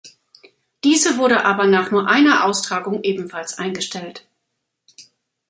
Diese wurde aber nach nur einer Austragung ebenfalls eingestellt.